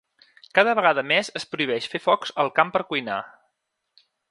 Cada vegada més es prohibeix fer focs al camp per cuinar.